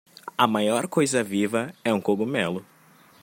A maior coisa viva é um cogumelo.